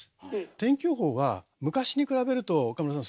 天気予報は昔に比べると岡村さん